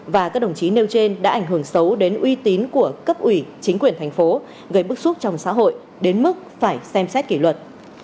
và các đồng chí nêu trên đã ảnh hưởng xấu đến uy tín của cấp ủy chính quyền thành phố gây bức xúc trong xã hội đến mức phải xem xét kỷ luật